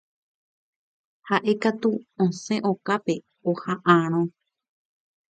Ha'ékatu osẽ okápe oha'ãrõ.